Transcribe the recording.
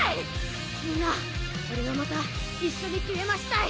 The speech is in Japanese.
みんな俺はまた一緒にデュエマしたい。